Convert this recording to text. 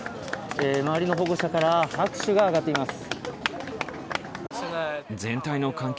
周りの保護者から、拍手が上がっています。